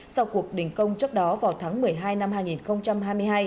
sau cuộc đình công trước đó vào tháng một mươi hai năm hai nghìn hai mươi hai